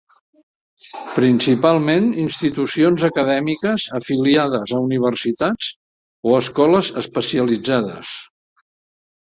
Principalment institucions acadèmiques afiliades a universitats o escoles especialitzades.